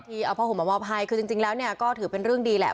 เอาผ้าห่มมามอบให้คือจริงแล้วเนี่ยก็ถือเป็นเรื่องดีแหละ